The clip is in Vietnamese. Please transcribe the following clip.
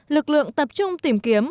lực lượng tập trung tìm kiếm